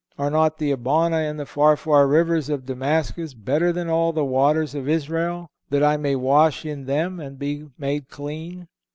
Are not the Abana and the Pharfar rivers of Damascus, better than all the waters of Israel, that I may wash in them, and be made clean?"